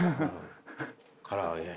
から揚げ。